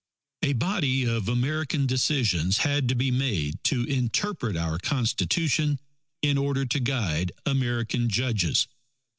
A body of American decisions had to be made to interpret our Constitution in order to guide American judges.